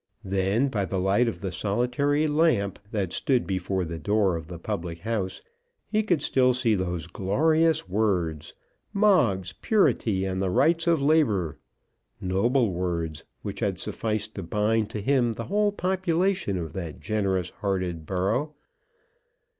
Then, by the light of the solitary lamp that stood before the door of the public house, he could still see those glorious words, "Moggs, Purity, and the Rights of Labour." Noble words, which had sufficed to bind to him the whole population of that generous hearted borough!